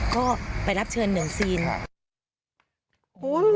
ก็ไปรับเชิญ๑ซีนค่ะ